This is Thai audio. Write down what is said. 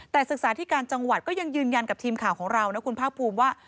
แต่ศึกษาที่การจังหวัดก็ยังยืนยันกับทีมข่าวของเรานะคุณภาคภูมิว่า